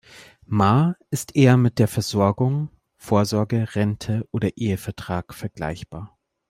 Mahr ist eher mit der Versorgung, Vorsorge, Rente oder Ehevertrag vergleichbar.